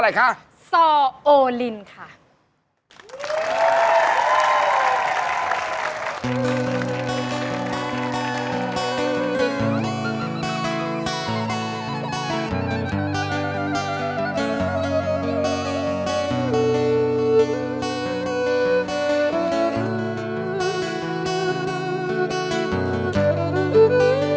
เฮ้ยเกิดมาก